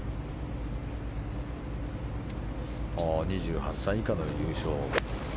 ２８歳以下の優勝。